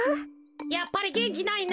やっぱりげんきないな。